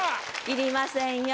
いりませんよ。